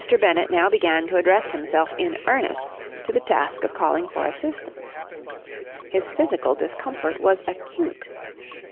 Mr. Bennett now began to address himself in earnest to the task of calling for assistance. His physical discomfort was acute.